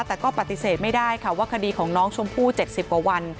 แต่ก็ปฏิเสธไม่ได้ค่ะว่าคดีของน้องชมพู่๗๐กว่าวัน